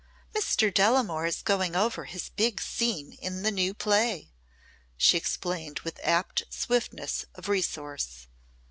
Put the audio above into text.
"Mr. Delamore is going over his big scene in the new play," she explained with apt swiftness of resource.